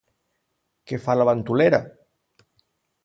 Què fa la ventolera?